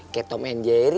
kayak tom and jerry